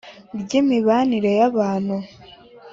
ry'imibanire y'abantu.